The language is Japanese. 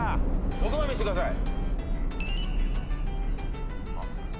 ６番見してください。